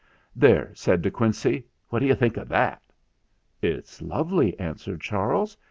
"There," said De Quincey, "what d'you think of that?" "It's lovely," answered Charles.